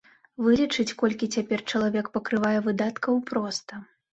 Вылічыць, колькі цяпер чалавек пакрывае выдаткаў проста.